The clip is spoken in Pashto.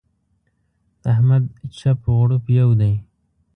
د احمد چپ و غړوپ يو دی.